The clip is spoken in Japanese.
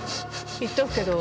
言っとくけど